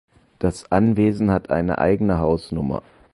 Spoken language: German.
Das Anwesen hat eine eigene Hausnummer.